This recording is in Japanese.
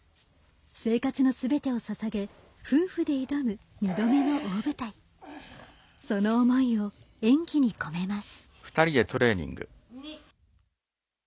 生活のすべてをささげ夫婦で挑む２度目の大舞台をその思いを演技に込めます。